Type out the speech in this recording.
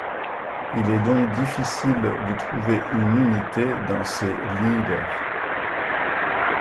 Il est donc difficile de trouver une unité dans ces lieder.